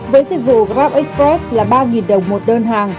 với dịch vụ grabexpress là ba đồng một đơn hàng